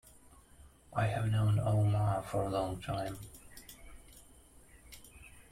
I have known Omar for a long time.